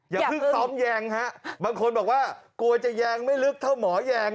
อย่าเพิ่งซ้อมแยงฮะบางคนบอกว่ากลัวจะแยงไม่ลึกเท่าหมอแยง